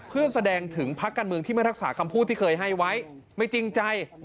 เพื่อแสดงถึงพักการเมืองที่ไม่รักษาคำพูดที่เคยให้ไว้ไม่จริงใจ